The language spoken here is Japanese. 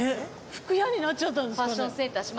服屋になっちゃったんですかね？